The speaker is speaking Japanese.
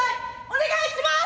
お願いします！」。